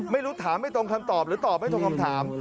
ไม่รู้ถามไม่ตรงคำตอบหรือตอบไม่ตรงคำถาม